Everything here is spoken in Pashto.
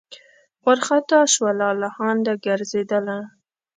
وارخطا سوه لالهانده ګرځېدله